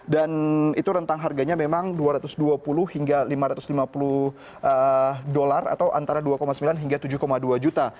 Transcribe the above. dan itu rentang harganya memang dua ratus dua puluh hingga lima ratus lima puluh dolar atau antara dua sembilan hingga tujuh dua juta